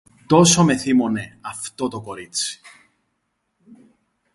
Τόσο με θύμωνε αυτό το κορίτσι.